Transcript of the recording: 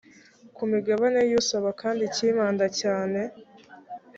ku migabane y usaba kandi ikibanda cyane